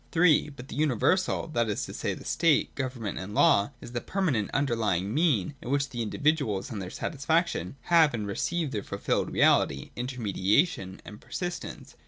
(3) But the universal, that is to say the state, government, and law, is the permanent underlying mean in which the indi viduals and their satisfaction have and receive their fulfilled reality, inter mediation, and persistence.